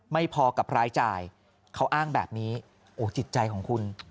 ไม่พอกับรายจ่ายเขาอ้างแบบนี้โอ้จิตใจของคุณ